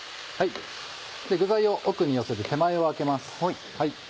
具材を奥に寄せて手前を空けます。